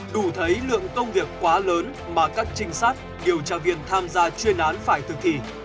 đủ thấy lượng công việc quá lớn mà các trinh sát điều tra viên tham gia chuyên án phải thực thi